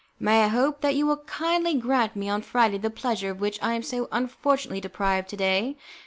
May I hope that you will kindly grant me on Friday the pleasure of which I am so unfortunately deprived to day?